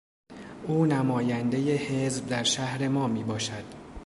او نمایندهی حزب در شهر ما میباشد.